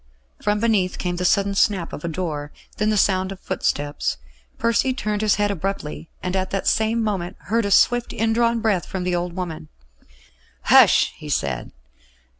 From beneath came the sudden snap of a door; then the sound of footsteps. Percy turned his head abruptly, and at the same moment heard a swift indrawn breath from the old woman. "Hush!" he said.